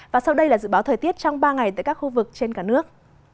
và sau đây là dự báo thời tiết trong ba ngày tại các khu vực trên cả nước